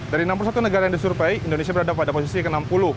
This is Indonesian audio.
dari enam puluh satu negara yang disurvey indonesia berada pada posisi ke enam puluh